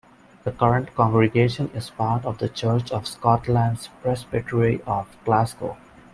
The current congregation is part of the Church of Scotland's Presbytery of Glasgow.